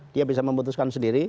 dia bisa memutuskan sendiri